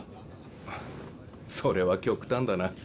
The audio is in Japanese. ふっそれは極端だな。